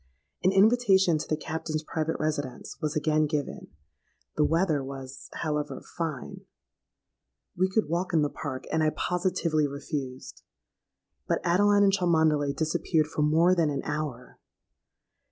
An invitation to the Captain's private residence was again given; the weather was, however, fine—we could walk in the Park—and I positively refused. But Adeline and Cholmondeley disappeared for more than an hour!